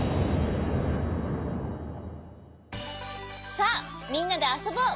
さあみんなであそぼう！